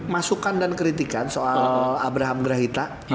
masukan dan kritikan soal abraham grahita